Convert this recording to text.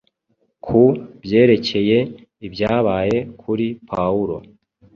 Ku byerekeye ibyabaye kuri Pawulo,